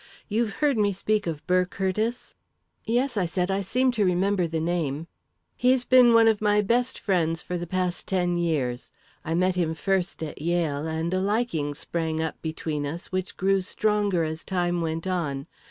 You've heard me speak of Burr Curtiss?" "Yes," I said; "I seem to remember the name." "He's been one of my best friends for the past ten years. I met him first at Yale, and a liking sprang up between us, which grew stronger as time went on.